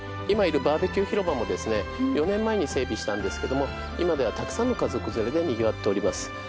今いるバーベキュー広場もですね４年前に整備したんですけども今ではたくさんの家族連れでにぎわっております